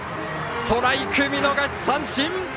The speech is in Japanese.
ストライク、見逃し三振！